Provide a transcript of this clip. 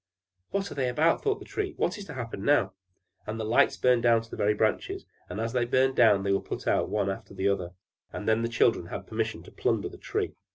"What are they about?" thought the Tree. "What is to happen now!" And the lights burned down to the very branches, and as they burned down they were put out one after the other, and then the children had permission to plunder the Tree.